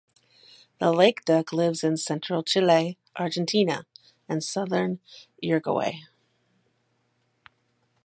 The lake duck lives in central Chile, Argentina and southern Uruguay.